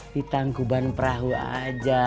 di tangkuban perahu aja